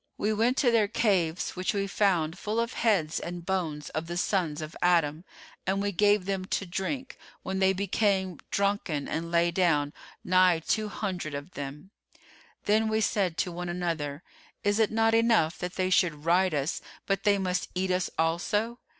We went to their caves which we found full of heads and bones of the Sons of Adam, and we gave them to drink, when they became drunken and lay down, nigh two hundred of them. Then we said to one another, 'Is it not enough that they should ride us, but they must eat us also?